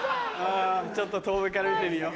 ちょっと遠目から見てみよう。